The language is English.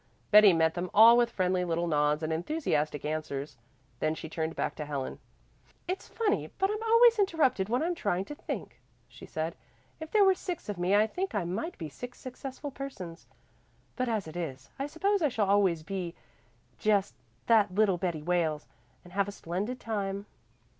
Betty met them all with friendly little nods and enthusiastic answers. Then she turned back to Helen. "It's funny, but I'm always interrupted when I'm trying to think," she said. "If there were six of me I think I might be six successful persons. But as it is, I suppose I shall always be just 'that little Betty Wales' and have a splendid time."